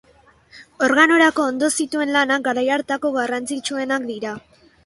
Organorako ondu zituen lanak garai hartako garrantzitsuenak dira.